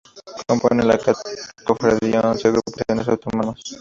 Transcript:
Componen la Cofradía once agrupaciones autónomas.